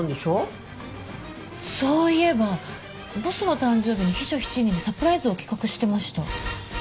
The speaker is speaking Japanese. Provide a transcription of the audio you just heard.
そういえばボスの誕生日に秘書７人でサプライズを企画してました。